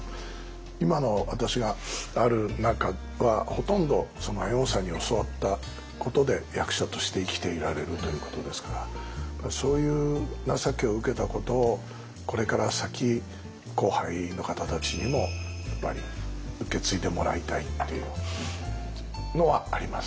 今の私がある中はほとんど猿翁さんに教わったことで役者として生きていられるということですからそういう情けを受けたことをこれから先後輩の方たちにもやっぱり受け継いでもらいたいっていうのはあります。